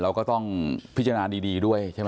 เราก็ต้องพิจารณาดีด้วยใช่ไหม